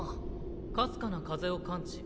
かすかな風を感知。